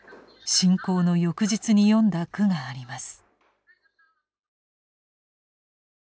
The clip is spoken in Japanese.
侵攻の翌日に詠んだ句があります。